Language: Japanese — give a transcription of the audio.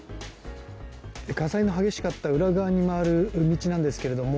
火災の激しかった裏側に回る道なんですけども